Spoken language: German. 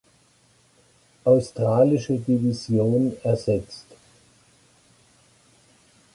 Australische Division" ersetzt.